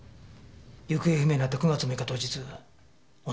行方不明になった９月６日当日恩田は。